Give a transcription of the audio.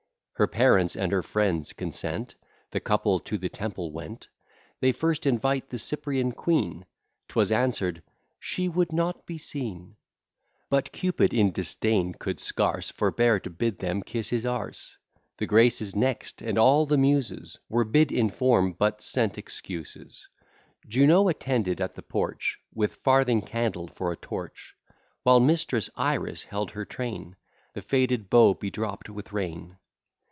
Her parents and her friends consent; The couple to the temple went: They first invite the Cyprian queen; 'Twas answer'd, "She would not be seen;" But Cupid in disdain could scarce Forbear to bid them kiss his The Graces next, and all the Muses, Were bid in form, but sent excuses. Juno attended at the porch, With farthing candle for a torch; While mistress Iris held her train, The faded bow bedropt with rain.